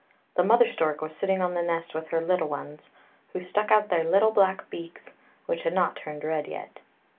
The mother stork was sitting on the nest with her little ones, who stuck out their little black beaks, which had not turned red yet.